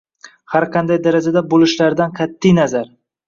har qanday darajada bo’lishlaridan qat’iy nazar